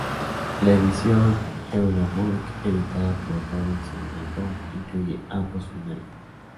La edición Eulenburg editada por Robbins Landon, incluye ambos finales.